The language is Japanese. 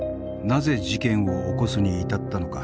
なぜ事件を起こすに至ったのか。